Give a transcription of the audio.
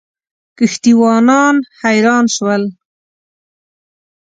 کښتۍ وانان حیران ول.